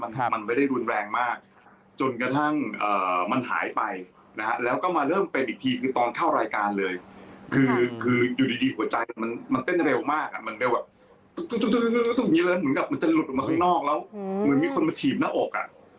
มันไม่ได้รุนแรงมากจนกระทั่งมันหายไปนะฮะแล้วก็มาเริ่มเป็นอีกทีคือตอนเข้ารายการเลยคือคืออยู่ดีดีหัวใจมันมันเต้นเร็วมากอ่ะมันเร็วแบบตรงนี้เลยเหมือนกับมันจะหลุดออกมาข้างนอกแล้วเหมือนมีคนมาถีบหน้าอกอ่ะ